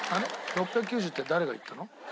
６９０って誰が言ったの？